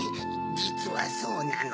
じつはそうなの。